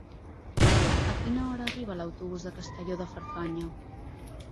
A quina hora arriba l'autobús de Castelló de Farfanya?